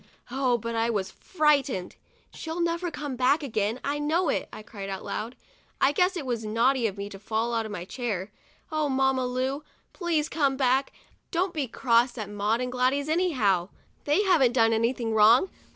Oh, but I was frightened !" She'll never come back again, I know it!' I cried out loud. ' I guess it was naughty of me to fall off my chair. Oh, Mamma Lu, please come back ! don't be cross at Maud and Gladys, anyhow; they haven't done anything wrong.